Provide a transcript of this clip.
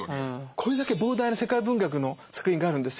これだけ膨大な世界文学の作品があるんですよ。